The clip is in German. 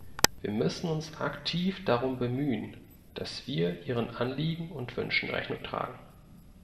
Wir müssen uns aktiv darum bemühen, dass wir ihren Anliegen und Wünschen Rechnung tragen.